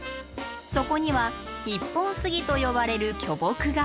そこには「一本杉」と呼ばれる巨木が。